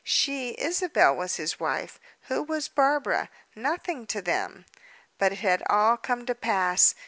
"She, Isabel, was his wife. Who was Barbara? Nothing to them?" But it had all come to pass.